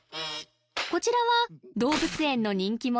こちらは動物園の人気者